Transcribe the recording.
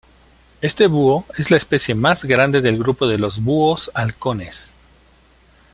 Este búho es la especie más grande del grupo de los "búhos halcones".